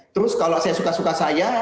terus kalau saya suka suka saya